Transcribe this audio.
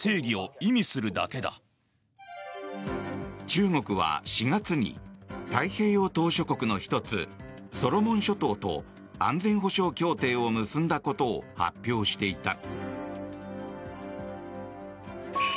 中国は４月に太平洋島しょ国の１つソロモン諸島と安全保障協定を結んだことを発表していた。